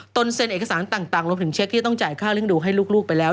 เซ็นเอกสารต่างรวมถึงเช็คที่ต้องจ่ายค่าเลี้ยงดูให้ลูกไปแล้ว